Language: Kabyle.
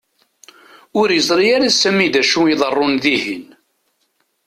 Ur yeẓri ara Sami d acu i iḍerrun dihin.